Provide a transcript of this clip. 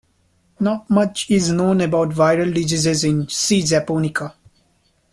Not much is known about viral diseases in "C. japonica".